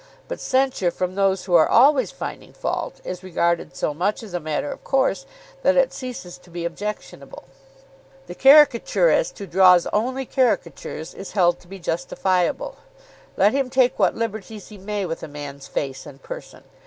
But censure from those who are always finding fault is regarded so much as a matter of course that it ceases to be objectionable. The caricaturist, who draws only caricatures, is held to be justifiable, let him take what liberties he may with a man's face and person.